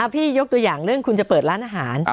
ยกตัวอย่างเรื่องคุณจะเปิดร้านอาหาร